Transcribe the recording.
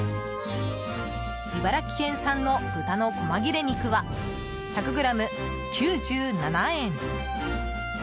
茨城県産の豚の細切れ肉は１００ｇ、９７円。